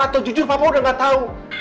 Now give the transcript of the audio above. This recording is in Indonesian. atau jujur papa udah gak tau